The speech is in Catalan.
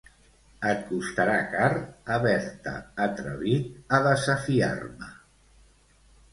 Et costarà car haver-te atrevit a desafiar-me.